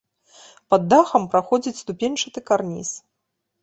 Пад дахам праходзіць ступеньчаты карніз.